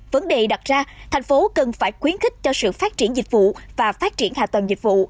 vấn đề đặt ra thành phố cần phải khuyến khích cho sự phát triển dịch vụ và phát triển hạ tầng dịch vụ